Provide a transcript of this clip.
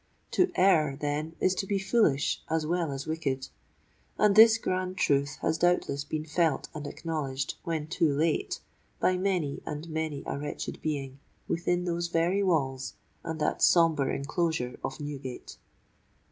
To err, then, is to be foolish, as well as wicked;—and this grand truth has doubtless been felt and acknowledged, when too late, by many and many a wretched being within those very walls and that sombre enclosure of Newgate!